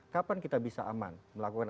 kapan kita bisa aman melakukan